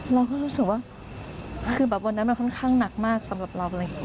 เราก็รู้สึกว่าคือแบบวันนั้นมันค่อนข้างหนักมากสำหรับเราอะไรอย่างนี้